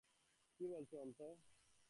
কী বলছ, অন্তু!